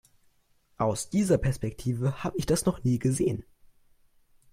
Aus dieser Perspektive habe ich das noch nie gesehen.